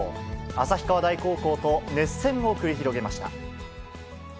旭川大高校と熱戦を繰り広げました。